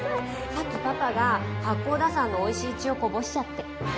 さっきパパが八甲田山のおいしい血をこぼしちゃって。